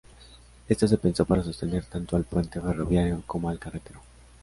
Esta se pensó para sostener tanto al puente ferroviario como al carretero.